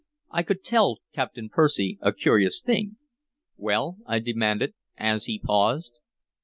I could tell Captain Percy a curious thing" "Well?" I demanded, as he paused.